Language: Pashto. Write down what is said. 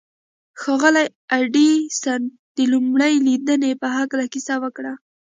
ښاغلي ايډېسن د لومړۍ ليدنې په هکله کيسه وکړه.